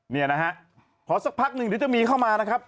เนี่ยนะฮะขอสักพักหนึ่งเดี๋ยวจะมีเข้ามานะครับ